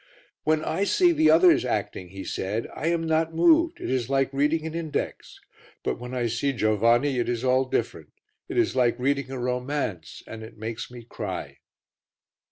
"When I see the others acting," he said, "I am not moved, it is like reading an index. But when I see Giovanni, it is all different, it is like reading a romance and it makes me cry."